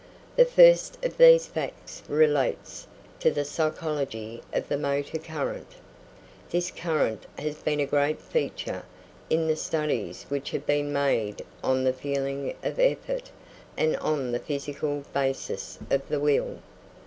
The first of these facts relates to the psychology of the motor current. This current has been a great feature in the studies which have been made on the feeling of effort and on the physical basis of the will.